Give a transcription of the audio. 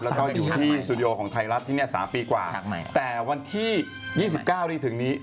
แล้วก็อยู่ที่สตูดิโอของไทยรัฐที่เนี้ยสามปีกว่าฉากใหม่แต่วันที่ยี่สิบเก้าที่ถึงนี้